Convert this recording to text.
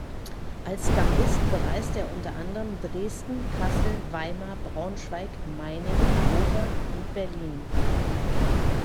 Als Gambist bereiste er unter anderem Dresden, Kassel, Weimar, Braunschweig, Meiningen, Gotha und Berlin.